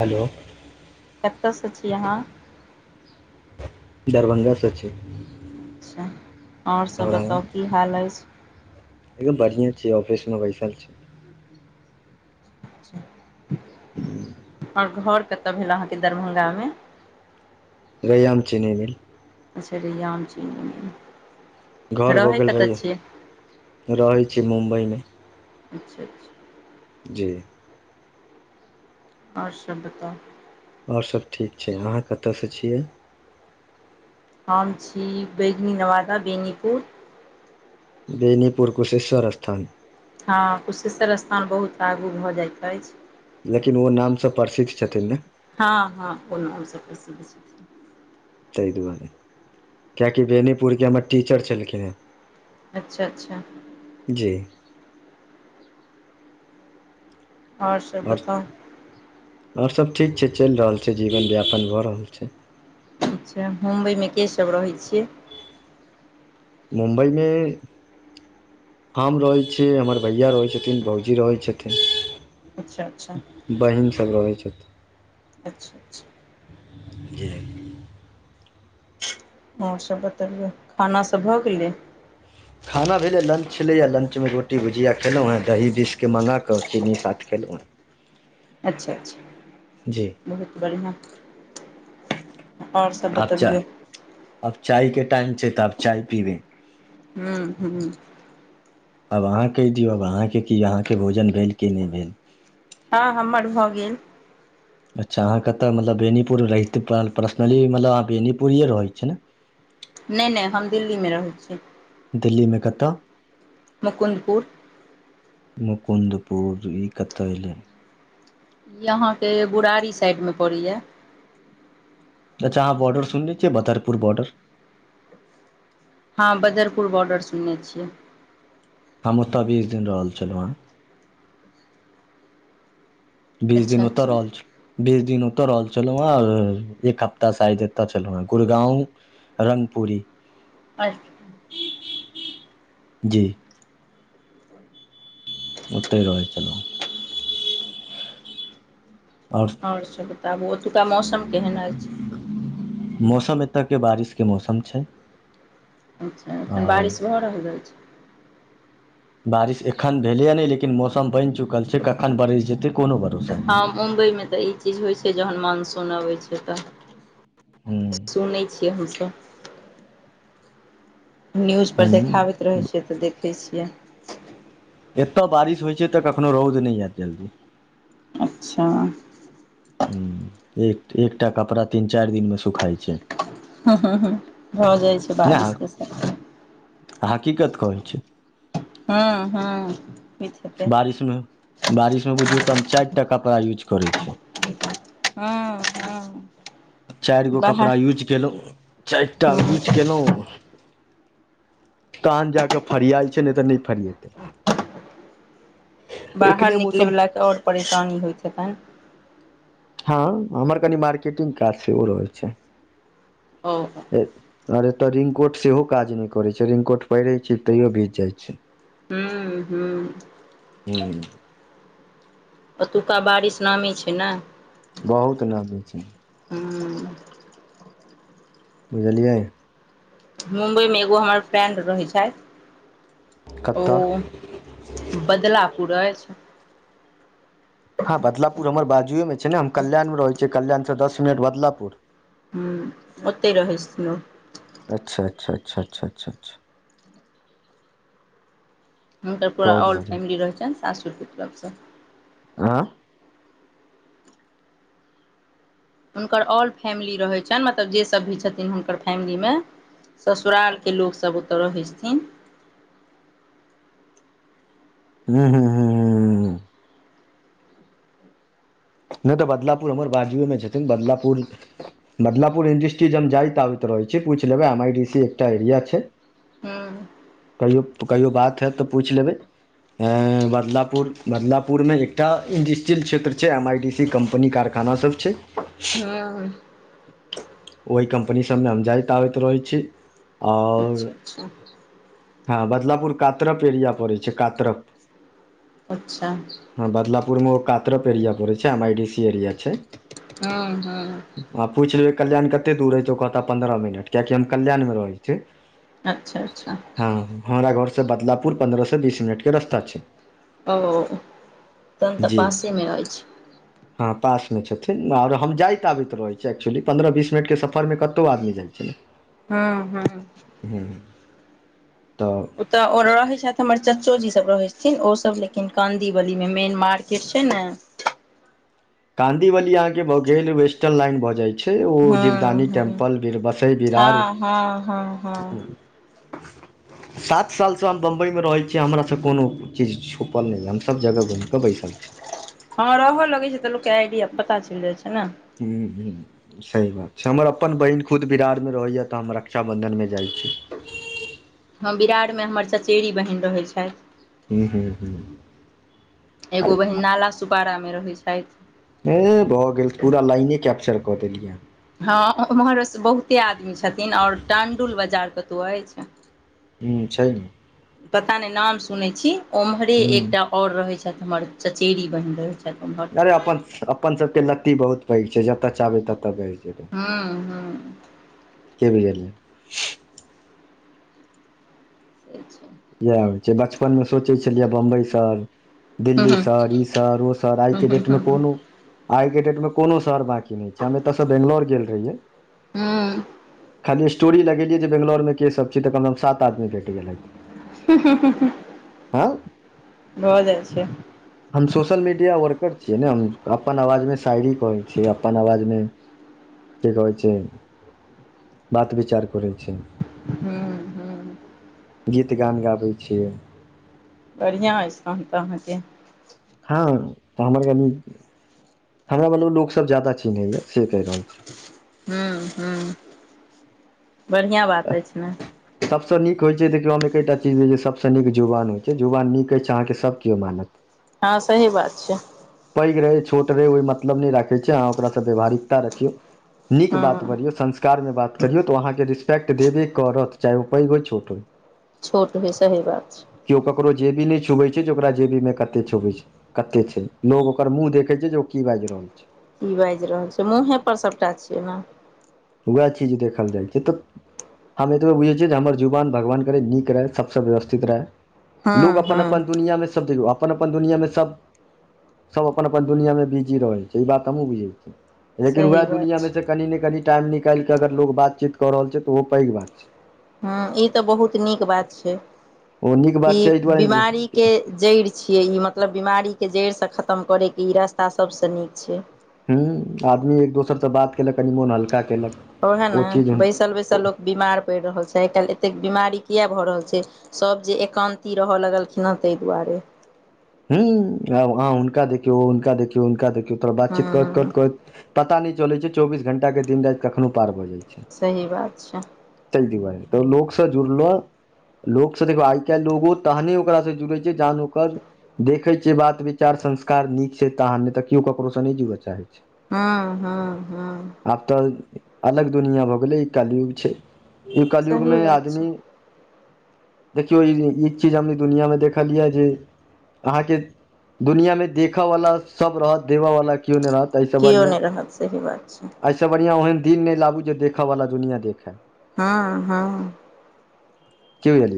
hello कतयसँ छी अहाँ दरभंगा सं छी अच्छा और सब बताउ की हाल अछि एगो बढ़िए छी ऑफिस में बैसल छी हू और घर कतय भेल अहाँके दरभंगा में रैयाम चीनी मिल छ र आम चीन घर भऽ गेल रहै रहै छी मुम्बइ में अच्छा अच्छा जी ओर सब बताउ और सब ठीक छै अहाँ कतयसँ छियै हम छी बैगनी नवादा बेनीपुर बेनीपुर कुशेश्वर स्थान हँ कुशेश्वर स्थान बहुत आगू भऽ जाइत अछि लेकिन ओ नामसँ प्रसिद्ध छथिन ने हँ हँ ओना हमसभ तहि दुआरे कियाकि बेनीपुर के हमर टीचर छलखिन हेँ अच्छा अच्छा जी ओर सब बताउ आओर सब ठीक छै चलि रहल छै जीवनयापन भऽ रहल छै अच्छा मुम्बइ में के सब रहैत छियै मुम्बइ में हम रहै छी हमर भैया रहै छथिन भौजी रहै छथिन अच्छा अच्छा बहिन सभ रहै छथिन अच्छा अच्छा जे आ सब बतेलियै खाना सब भए गेलियै खाना भेलै लंच छलैए लंच में रोटी भुजियाआ खेलहुँ हँ दही बिसकेऽ मँगा कऽ चीनी साथेलहुँ हँ अच्छा अच्छा जी बहुत बढ़िआ और सब बतबऔ अब चाय के टाइम छै तऽब चाय पीबे हूँ हूँ अब अहाँ कहि दियौब अहाँके क अहाँके भोजन भेल की नहि भेल हँ हमर भऽ गेल अच्छा अहाँकेँ तऽ मतलब बेनीपुर रहितै पर्सनली मतलब अहाँ बेनीपुरए रहै छियै ने नहि नहि हम दिल्ली में रहैत छी दिल्ली में कतऽ मुकुन्दपुर मुकुन्दपुर ई कत एले ई अहाँके बुुड़ारी साइड मे पड़ैया अच्छाहाँ बॉर्ड सुनने छिय बदरपुर बॉर्डर हँ बदरपुर बॉर्डर सुनने छियै हम ओ तऽ भी बीस दिन रहल छलहुँ हेँ बीस अच्छा दिन उतऽ अच्छा रहल छै बीस दिन ओतऽ रहल छलहु हँ एक हप्ता साायद एतऽ छलहु हं गुुरगांव रङ्गपूी अच्छा जी ओतहि रहै छलहुँ आओर और सब बताबु ओतुका मौसम सब केहन अछि मौसम एतऽ के बारिश के मौसम छै अच्छा एखन आओर बारिश भऽ रहल अछि बारिश एखन धेलया नै लेकिन मौसम बैन चुकल छै कखन बरस जेते कोनो भरोसा हँ नहि मुम्बइमे तऽ ई चीज होइत छै जहन मानसून अबैत छै त हुँ सुनै छियै हमसभ न्यूज पर हुँ देखाबैत रहै छै तऽ देखै छियै एतय बारिश होइत छै तऽ कखनो रौद नहि आयत जल्दी अच्छा हू एक एकटा कपड़ा तीन चैर दिनमे सुखाय छै ह हू हू भऽ जाइ छै बारिशके समय आहां हकीकत कहै छी हं हं होई बारिशमे बारिशमे बुझियौ तऽ हम चाय टा कपड़ा यूज करै छी हूँ हूँ चारि गो कपड़ा यूज कयलहुँ चारि टा यूज हँ कयलौ तन जा कऽ फरियाल छै नहि तऽ नहि फरिएतै बाहर मौसम निकलैवला के और परेशानी होइत हेतैन हँ हमर कनि मार्केटिंग काज सेहो रहै छै ओ और एतय रिनकोट सेहो काज नहि करे छै रिनकोट पहिरे छै तैयो भीज जाय छै हू हू हू ओतुका बारिश नामी छै नए बहुत नामी छै हूँ बुझलियै मुम्बइमे एगो हमर फ्रेंड रहै छथि कतऽ ओ बदला पुर अ छै हँ बदलापुर हमर बाजुएमे छै ने हम कल्याणमे रहैत छियै कल्याणसँ दस मिनट बदलापुर हू ओते रहै छथिन ओ अच्छा अच्छा अच्छा अच्छा अच्छा अच्छा हुनकर पूरा बहुत ऑल बढ़िआँ फैमिली रहै छनि सासुरके तरफसँ आं हुनकर ऑल फैमिली रहै छनि मतलब जेसभ भी छथिन हुनकर फैमिलीमे ससुरालके लोकसब ओतऽ रहै छथिन हू हू हू हू हू नय तऽ बदलापुर हमर बाजुए मे छथिन बदलापुर बदलापुर इंडस्ट्री जे हम जाय आबैत रहैत छी पूछ लेबै एम आई डी सी एकटा एरिया छै हूँ कहियो कहियो बात हत तऽ पूछि लेबै बदलापुर बदलापुर मे एकटा इंडस्ट्रियल क्षेत्र छै M I T C company कारखाना सब छै ह ओहि कम्पनी सभमे हम जाइत आबैत रहै छी आओर अच्छा अच्छा हँ बदलापुर कातरप एरिया पड़े छै कातरप अच्छा हँ बदलापुरमे ओ कातरप एरिया पड़ै छै आ आइ डीसी एरिया छै हम्म हम्म आ पूछ लेबै कल्याण कते दूर ऐ ओ कहता पन्द्रह मिनट कियकि हम कल्याण मे रहैत छी अच्छा अच्छा हँ हमरा घर से बदलापुर पन्द्रह से बीस मिनट के रस्ता छै ओ तहन तऽ जी पासे में अछि हँ पास में छथिन और हम जायित आबैत रह छीऐ एक्चुअली पन्द्रह बीस मिनट के सफर मे कतौ आदमी जाइ छै हम्म हम्म हूँ तऽ ओतऽ रहै छथि हमर चाच्चो जी सब रहै छथिन ओ सब लेकिन काँदी बली मे मेन मार्केट छै ने काँदीवली अहाँ के भऽ गेल वेस्टर्न लाइन भऽ जाय छै ओ जीदी हूँ हूँ हँ हँ हँ हँ [inaudible] सात सालसँ हम बम्बइ में रहैत छी हमरासँ कोनो चीज छुपल नहि य हमसभ जगह घुमि कऽ बैसल छी हँ रहऽ लगै छै तऽ लोक के आइडिया पता चल जाइ छै न हूँ हूँ सही बात छै हमर अपन बहिन खुद बिरारमे रहैए तऽ हम रक्षाबन्धन मे जाइत छी हँ बिरार में हमर सचेड़री बहन रहैत छथि हूँ हूँ हूँ अरे एगो बहिन नाला सुपारा में रहै छैथ नय नय भऽ गेल पूरा लाइने कैप्चर कऽ देलियै आहां हँ ओम्हरसँ बहुते आदमी छथिन और टाणडुल बाजार कतौ ऐछ ह्म छै ने पता नय नाम सुनै छी ओम्हरे हूँ एकटा और रहै छथिन हमर चचेरी बहिन रहे छथिन अरे अपन अपन सबके लत्ती बहुत पैघ छै जतए चाहबे ततए बढ़ जेबै हँ हँ के भी से छै इएह होइ छय बचपनमे सोचै छलियै बम्बई सहर हूँ दिल्ली हूँ सर ई सर ओ सर आइ हूँ के हूँ डेट में हूँ कोनो आइ के डेट में कोनो सर बाकी एतयसँ बेैंगलोर गेल रहियै हूँ खाली स्टोरी लगेलियै जे बेंगलौर केसभिय तऽ कमात आदमी भेट गेलथि हू हू हूँ हूँ आ भऽ जाइ छै हम सोशल मीडिया वर्कर छियै ने हम अपन आवाजमे शायरी कहै छियै अपन आवाज में की कहै छै बात विचार करै छै हम्म हम्म गीत गान गाबय छियै बढ़िआँ अइछ कन तऽ अहाँके हँ तऽ हमर कनी हमरा लोकसभ ज्यादा चिन्हैए से कहि रहल छी हम्म हम्म बढ़िआँ बात छी अछि ने सभसँ नीक होइत छै देखियौ हम एक एकटा चीज सभसँ नीक जुवान होइत छै जुवान नीक अछि छै अहाँके सभ केओ मानत हँ सही बात छै पैघ रहै छोट रहै ओहि मतलब नहि राखैत छै अहाँ ओकरासँ व्यवहारिकता रखियौ नीक बात हँ बढ़ियौ संस्कारमे बात करियौ तऽ ओ अहाँके रिस्पेक्ट देबे करत चाहे ओ पैघ होइ छोट होइ छोट भी सही बात केओ ककरो जेबी नहि छुबैत छै जे ओकरा जेबीमे कते छुबै छै कते छै लोग ओकर मुंह देखे छै जे ओ की बाजि रहल छै ई बाजि रहल छै मुँहे पर सभटा छियै ने उएह ची जे देखल जाइ छै तऽ हम एतबे बुझे छियै जे हमर जुवान भगवान करे नीक रहे सबसे व्यवस्थित रहै हँ लोकोग हँ अपन दुनिया में सब जग अपन अपन दुनिया मे सब सब अपन अपन दुनिया मे बिजी रह छै ई बात हमूँ बुझैत छियै लेकिन उएह सही बात दुनियाँमे छै से कनी ने कनि टाइम निकालि कऽ अगर लोग बातचीत कऽ रहल छै तऽ ओहो पैघ बात छै ह ई तऽ बहुत नीक बात छै ओ नीक ई बात छै एहि दुआरे बीमारी के जड़ि छियै ई मतलब बीमारीके जड़िसँ खतम करैके ई रास्ता सभसँ नीक छै ह्म आदमी एक दोसर से बात केलक कनि मोन हल्का केलक ओएहे ने बैसल बैसल लोक बीमार पड़ि रहल छै आइ काल्हि एतेक बीमारी कििया भऽ रहल छै सभ जे एकान्ती रहय लगलखिन हं तहि दुआरे हं आब अहां हुनका देखियौ हुनका देखियौ हुनका देखियौ थोरा बातचीत करैत करैत हँ करैत पता नय चलै छै चौबीस घण्टाके दिन राति कखनो पार भऽ जाइत छै सही बात छै चल द भ तऽ लोगसँ जुड़ल लोको से देखो आइ काल्हि लो तहने ओकरा से जुड़े छै जे जान ओकर देखै छियै बात विचार संस्कार नीक छै तहन नहि तऽ केओ ककरोसँ नहि जुड़य चाहैत छै हु हु हुँ आब तऽ अलग दुनिआँ भऽ गेलै ई कालयुग छै ई कलयुग सही में बात छै आदमी देखियौ ई एक चीज हम ई दुनिया मे देखलियै या जे अहाँके दुनिया में देखऽ वाला सब रहत देबऽ वाला केओ नै रहत अइसँ केओ बढ़ियां नहि रहत सही बात छै से बढ़ियां ओहन दिन नहि लाबू जे देखऽ वाला दुनिया देखे हँ हँ कि बुझलियै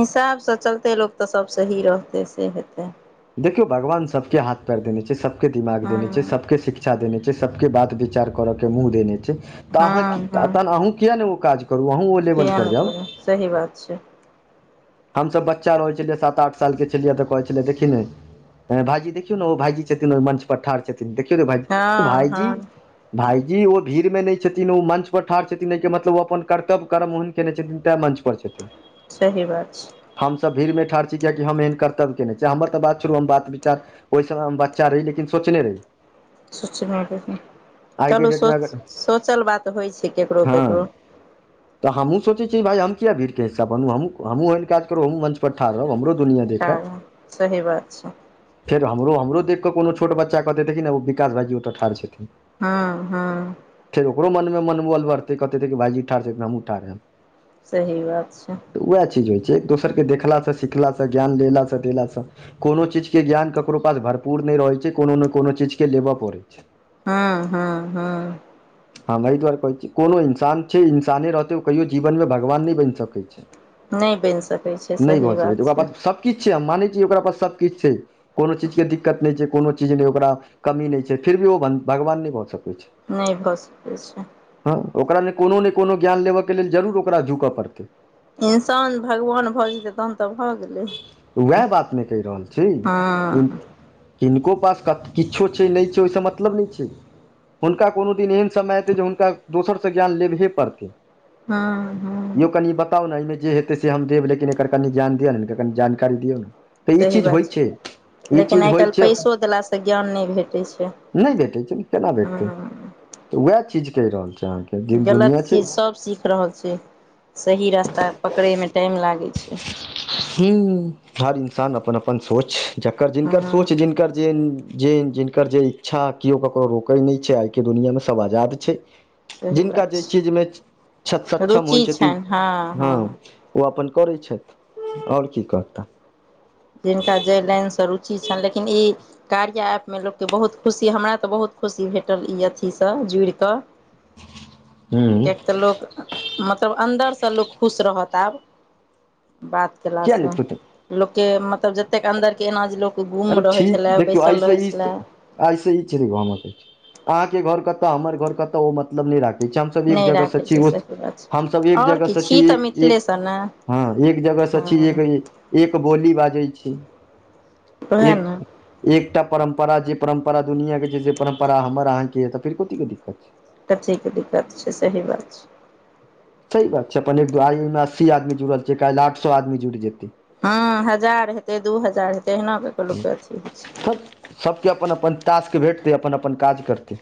हिसाबसँ चलतै लोक तऽ सब सही रहतै से हेतै देखियौ भगवान सबके हाथ पैर देने छै सबके दिमाग हँ देने छै सबके शिक्षा इचछा देने छै सबके बात विचार करऽ के मुंह देने छै तऽ अहाँ हँ हँ तहन अहूँ किया ने ओ काज करू अहूँ ओ किए लेवलपर नहि जाउ करू सही बात छै हमसभ बच्चा रहै छलियै सात आठ सालके छलियै तऽ कहै छलियै देखी ने अ भाइजी देखियौ ने ओ भाइजी छथिन ओइ मंच पर ठाढ़ छथिन देखियौ रे भाइजी हँ तऽ भाइजी हँ भायजी ओ भीड़ में नहि छथिन ओ मं्च परर ठाढ़ छथिन मतलब ओ अपन कर्तव्य कर्म हु केने छथिन तैय मंच पर छथिन सही बात छै हमसभ भीड़मे ठाढ़ छी कियाकि हम एहन कर्तव्य केने छी हमर तऽ बात छोड़ू हम बात विचार ओहि समय हम बच्चा रही लेकिन सोचने रही सोचल आइ के चलू डेट सो मे अगर सोचल बात होइ छै ककरो ककरो हँ तऽ हमहूं सोचैत छियै भाइ हम किया भीड़के हिस्सा बनु हमहुं हमहूं एहन काज करू हमहुं मंच पर ठाढ रहब हमरो दुनिया देखै ठाढ़ सही बात छै फेर हमरो हमरो देखि कऽ कोनो छोट बच्चा कहतै देखन ने ओ विकास भाइजी ओतय ठाढ़ छथिन हँ हँ फेर ओकरो मन मनोबल बढ़तै कहतै देखियौ भाइजी ठाढ़ छैथ हमहुं ठाढ़ हैब सही बात छय तऽ उएह चीज होइ छै एक दोसरके देखलासँ सिखलासँ ज्ञान लेलासँ देलासँ कोनो चीज के ज्ञान ककरो पास भरपूर नहि रहैत छै कोनो ने कोनो चीज के लेबय पड़ैत छय हु हुहुँ हँ ओह दुआरे कहै छी कोनो इन्सान छै इंसाने रहतै ओ कहियो जीवन में भगवान नहि बनि सकैत छै नहि बनि सकैत छै सही बात छै किछु छै हम मानै छियै ओकरा पास सबकिछु छै कोनो चीजके दिक्कत नहि छै कोनो चीज नहि ओकरा कमी नहि छै फिर भी ओ भगवान नहि भऽ सकै छै नहि भऽ सकैत छै हँ ओकरा ने कोनो ने कोनो ज्ञान लेबयके लेल जरूर ओकरा झुकऽ पड़तै इंसान भगवान भऽ जेतै तहन तऽ भऽ गेलै उएह बात ने कहि रहल छी आ हँ किनको पास किछो छै नहि छै ओहिसँ मतलब नहि छै हुनका कोनो दिन एहन समय एतै जे हुनका दोसरसँ ज्ञान लेबहे पड़तै हँ यो हँ कनि बता बता ने एहिमे जे हेतै से हम देबेकिन एकर कनि ज्ञान दिय ने कनि जानकारी दियौ ने तऽ ई सही चीज बात होइ छै ई लेकिन चीज आइ होइ काल्हि छै पैसो देलासँ ज्ञान नहि भेटै छै नहि भेटै छै ने केना भेटतै हँ तऽ उएह चीज कहि रहल छै अहाँके जे दुनिआँ छै प रहल छी सही रास्ता पकड़ैमे टाइम लागै छै हं हर इन्सान अपन अपन सोच जकर जिनकर हँ सोच जिनकर जे जे जिनकर जे इच्छा केओ ककरो रोकै नहि छै आइके दुनिियामे सभ आजाद छै सही जिनका बात जै चीज छै मे क्ष सक्षम होइ रुचि छथिन छनि हँ हँ ओ अपन करै छथि आओर की कहताह जिनका जे लाइनसँ रुचि छनि लेकिन ई कार्य हम लोककेँ बहुत खुशी हमरा तऽ बहुत खुशी भेटल ई अथीसँ जुड़िकऽ ह एक तऽ लोक मतलब अन्दरसँ लोक खुश रहत आब बात किया केयलासँ नहि खुद के मतलब जतेक अन्दरके एना जे लोक गुम रहै छलै बैसल रहै छलै आइ से ई छै जे हम अहांके कहै छी अहां के घर कतऽ हमर घर कत ओ मतलब नहि राखै होई छै हमसब एक नहि जगहसँ राखै छी छै ओस सही बात हमसब छै एक आओर की जगहसँ छी तऽ एक एक मिथिलेसँ ने हँ एक जगह से छीज हँ एक एक बोली बाजै छी उहे न एक एकटा परम्परा जे परम्परा दुनिया के छै जे परम्परा हमर अहाँके य तऽ फेर कथी के दिक्कत छै कथी के दिक्कत छै सही बात छै सही बात छै अपन एक आमे अस्सी आदमी जुड़ल छथ काल्हि आठ स आदमी जुड़ि जेतै हँ हजार हेतै दू हजार हेतै एना क क लोकके अथी होइ छै सभके अपन अपन टासकेँ भेटतै अपन अपन काज करतै